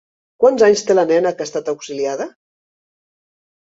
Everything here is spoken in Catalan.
Quants anys té la nena que ha estat auxiliada?